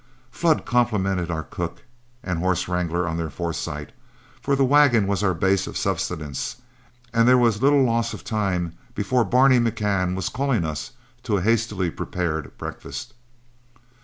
Flood complimented our cook and horse wrangler on their foresight, for the wagon was our base of sustenance; and there was little loss of time before Barney McCann was calling us to a hastily prepared breakfast.